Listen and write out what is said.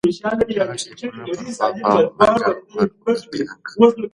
هغه د ټليفون پر خوا په منډه ور ودانګل.